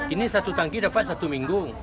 ini satu tangki dapat satu minggu